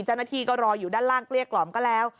เจ้าหน้าที่ก็รออยู่ด้านล่างเกลี้ยกล่อมก็แล้ว